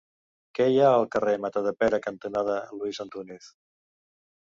Què hi ha al carrer Matadepera cantonada Luis Antúnez?